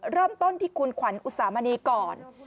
เริ่มต้นที่คุณขวัญอุสามณีก่อน